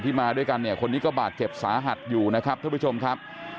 มาด้วยกันเนี่ยคนนี้ก็บาดเจ็บสาหัสอยู่นะครับท่านผู้ชมครับ